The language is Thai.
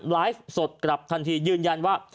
ไลฟ์สดกลับทันทียืนยันว่า